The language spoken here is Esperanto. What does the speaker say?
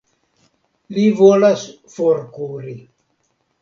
Li volas forkuri.